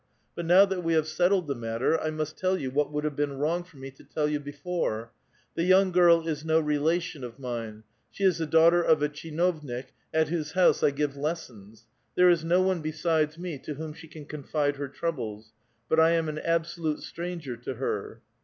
But now that we have settled the matter, I must tell vou what would have been wrong for me to tell you before : the young girl is no relation of mine. She is the daughter of a tdiinovnik at whose house I give lessons. There is no one besides me to whom she can confide her troubles. But I am an absolute stranger to her."